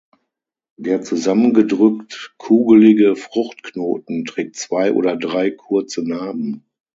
Der zusammengedrückt-kugelige Fruchtknoten trägt zwei oder drei kurze Narben.